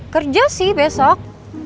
kerja sih besok